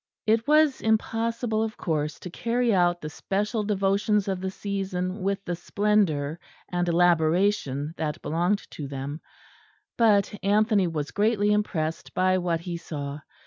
It was impossible, of course, to carry out the special devotions of the season with the splendour and elaboration that belonged to them; but Anthony was greatly impressed by what he saw.